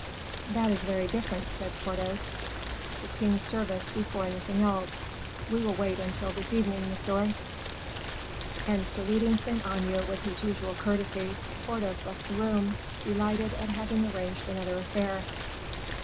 "That is very different," said Porthos; "the king's service before anything else. We will wait until this evening, monsieur." And saluting Saint Aignan with his usual courtesy, Porthos left the room, delighted at having arranged another affair.